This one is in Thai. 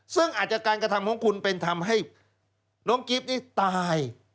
ซึ่งอาจจะการกระทำของคุณเป็นทำให้น้องกิฟต์นี่ตาย